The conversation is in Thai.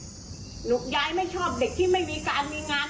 ลูกยายไม่ชอบเด็กที่ไม่มีการมีงาน